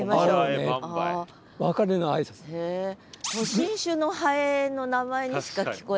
新種のハエの名前にしか聞こえない。